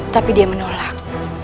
tapi dia menolak